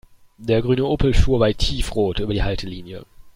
Der grüne Opel fuhr bei Tiefrot über die Haltelinie.